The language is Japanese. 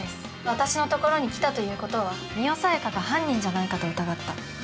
私のところに来たということは深世小夜香が犯人じゃないかと疑った。